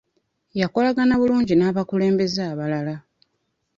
Yakolagana bulungi n'abakulembeze abalala.